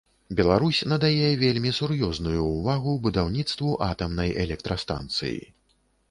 Беларусь надае вельмі сур'ёзную ўвагу будаўніцтву атамнай электрастанцыі.